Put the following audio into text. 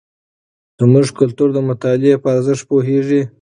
زموږ کلتور د مطالعې په ارزښت پوهیږي.